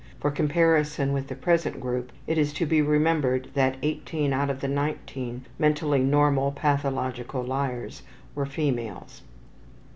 For comparison with the present group it is to be remembered that 18 out of the 19 mentally normal pathological liars were females.